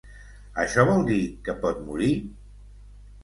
Això vol dir que pot morir?